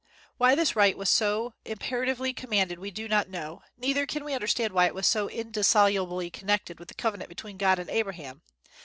Why this rite was so imperatively commanded we do not know, neither can we understand why it was so indissolubly connected with the covenant between God and Abraham.